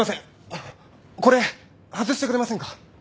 あのこれ外してくれませんか？